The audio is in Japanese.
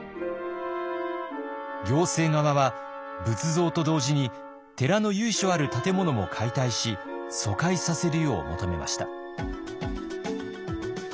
行政側は仏像と同時に寺の由緒ある建物も解体し疎開させるよう求めました。